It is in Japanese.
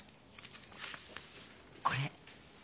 これ。